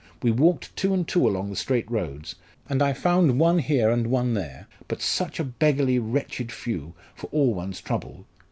We walked two and two along the straight roads, and I found one here and one there but such a beggarly, wretched few, for all one's trouble.